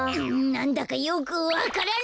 なんだかよくわからない！